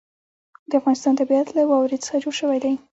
د افغانستان طبیعت له واوره څخه جوړ شوی دی.